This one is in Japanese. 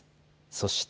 そして。